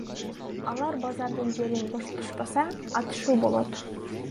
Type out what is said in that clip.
Алар базардын жерин бошотушпаса атышуу болот.